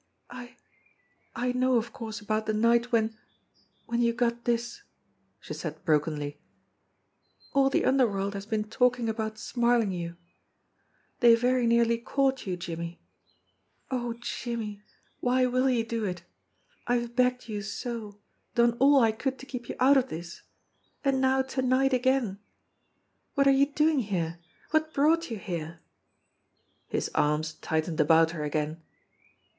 "I I know of course about the night when when you got this," she said brokenly. "All the underworld has been talking about Smarlinghue. They very nearly caught you, Jimmie. Oh, Jimmie, why will you do it? I have begged you so, done all I could to keep you out of this. And now to night again ! What are you doing here ? What brought you here?" His arms tightened about her again.